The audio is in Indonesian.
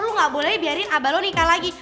lo gak boleh biarin abah lo nikah lagi